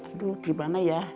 aduh gimana ya